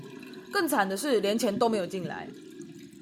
更慘的是連錢都沒有進來